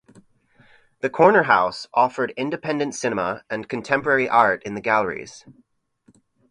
The Cornerhouse offered independent cinema, and contemporary art in the galleries.